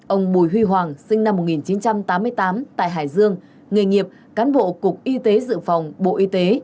ông bùi huy hoàng sinh năm một nghìn chín trăm tám mươi tám tại hải dương nghề nghiệp cán bộ cục y tế dự phòng bộ y tế